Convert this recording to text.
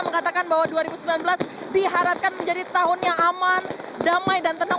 mengatakan bahwa dua ribu sembilan belas diharapkan menjadi tahun yang aman damai dan tenang